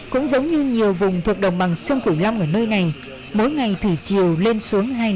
cũng giống như nhiều vùng thuộc đồng bằng sông cửu long ở nơi này mỗi ngày thủy chiều lên xuống hai mươi